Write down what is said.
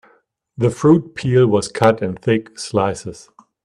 The fruit peel was cut in thick slices.